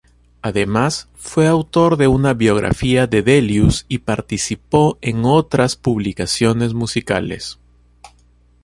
Además, fue autor de una biografía de Delius y participó en otras publicaciones musicales.